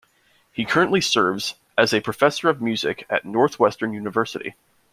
He currently serves as a professor of music at Northwestern University.